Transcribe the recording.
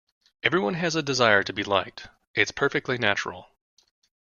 Everyone has a desire to be liked, it's perfectly natural.